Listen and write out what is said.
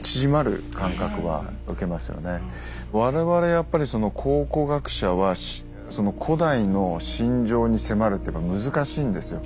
やっぱり考古学者は古代の心情に迫るってのは難しいんですよ。